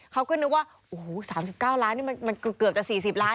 เขาก็นึกว่าโอ้โห๓๙ล้านนี่มันเกือบจะ๔๐ล้าน